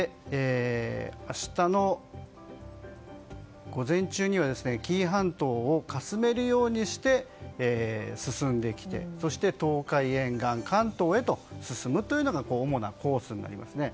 明日の午前中には紀伊半島をかすめるようにして進んできて、東海沿岸関東へと進むというのが主なコースになりますね。